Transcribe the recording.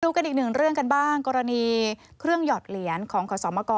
กันอีกหนึ่งเรื่องกันบ้างกรณีเครื่องหยอดเหรียญของขอสมกร